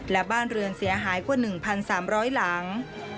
และบ้านเรือนเสียหายกว่า๑๓๐๐หลัง